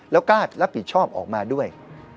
แล้วกล้ารับผิดชอบออกมาด้วย